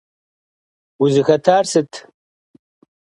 Узыхэтар сыт?